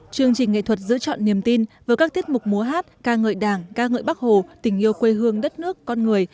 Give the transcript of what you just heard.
chương trình nghệ thuật giữ chọn niềm tin với các tiết mục múa hát ca ngợi đảng ca ngợi bắc hồ tình yêu quê hương đất nước con người